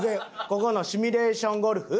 ここのシミュレーションゴルフ？